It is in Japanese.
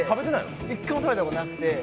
１回も食べたことなくて。